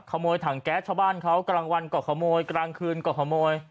ขโมยถังแก๊สชาวบ้านเขากลางวันก็ขโมยกลางคืนก็ขโมย